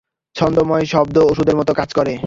ছন্দময় শব্দ ওষুধের মতো কাজ করে।